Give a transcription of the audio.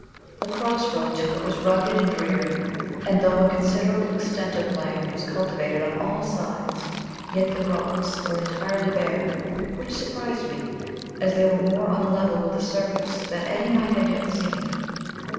The cross road to it was rugged and dreary; and though a considerable extent of land was cultivated on all sides, yet the rocks were entirely bare, which surprised me, as they were more on a level with the surface than any I had yet seen.